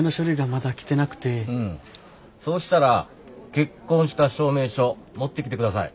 うんそうしたら結婚した証明書持ってきてください。